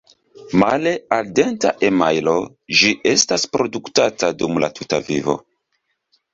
Male al denta emajlo, ĝi estas produktata dum la tuta vivo.